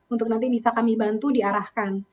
untuk nanti bisa kami bantu diarahkan